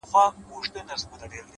دا چي انجوني ټولي ژاړي سترگي سرې دي!